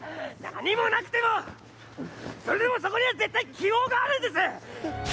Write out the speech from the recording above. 何もなくてもそれでもそこには絶対希望があるんです！